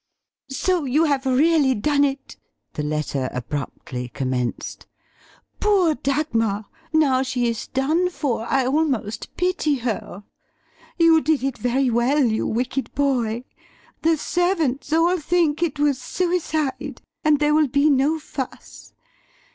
"So you have really done it!" the letter abruptly commenced; "Poor Dagmar. Now she is done for I almost pity her. You did it very well, you wicked boy, the servants all think it was suicide, and there will be no fuss.